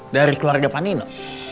dari keluarga panino